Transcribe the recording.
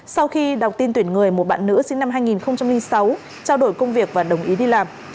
sau khi đọc tin tuyển người một bạn nữ sinh năm hai nghìn sáu trao đổi công việc và đồng ý đi làm